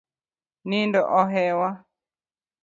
Nindo ohewa.